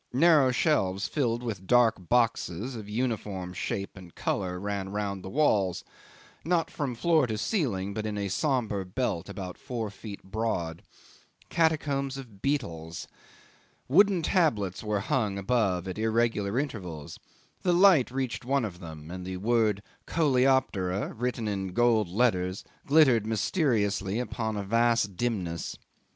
Narrow shelves filled with dark boxes of uniform shape and colour ran round the walls, not from floor to ceiling, but in a sombre belt about four feet broad. Catacombs of beetles. Wooden tablets were hung above at irregular intervals. The light reached one of them, and the word Coleoptera written in gold letters glittered mysteriously upon a vast dimness.